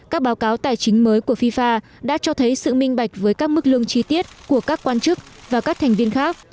các báo cáo tài chính mới của fifa đã cho thấy sự minh bạch với các mức lương chi tiết của các quan chức và các thành viên khác